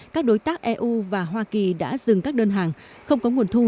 các đối tác eu và hoa kỳ đã dừng các đơn hàng không có nguồn thu